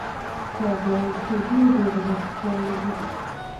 د غواوو شیدې ډېرې روغتیایي دي.